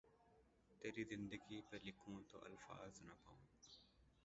تیری زندگی پھ لکھوں تو الفاظ نہ پاؤں